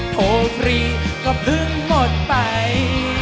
โทรฟรีก็เพิ่งหมดไป